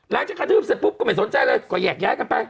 กระทืบเสร็จปุ๊บก็ไม่สนใจเลยก็แยกย้ายกันไป